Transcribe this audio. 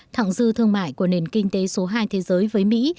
thẳng dư thương mại của nền kinh tế số hai thế giới với mỹ